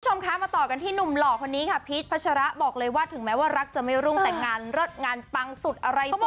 คุณผู้ชมคะมาต่อกันที่หนุ่มหล่อคนนี้ค่ะพีชพัชระบอกเลยว่าถึงแม้ว่ารักจะไม่รุ่งแต่งานเลิศงานปังสุดอะไรสุด